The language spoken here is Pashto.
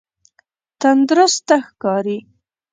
تندرسته ښکاری؟